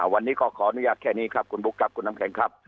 วันนี้ก็ขออนุญาตแค่นี้ครับคุณบุ๊คครับคุณน้ำแข็งครับ